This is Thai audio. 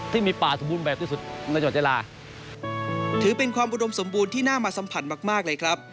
ถือเป็นความอุดมสมบูรณ์ที่น่ามาสัมผัสมากเลยครับ